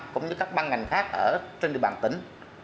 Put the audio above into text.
cũng như các ban ngành khác ở trên địa bàn tỉnh